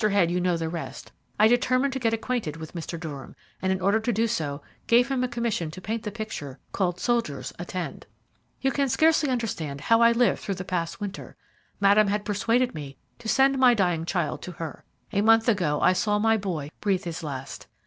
Head, you know the rest. I determined to get acquainted with Mr. Durham, and in order to do so gave him a commission to paint the picture called 'Soldiers, Attend!' "You can scarcely understand how I lived through the past winter. Madame had persuaded me to send my dying child to her. A month ago I saw my boy breathe his last.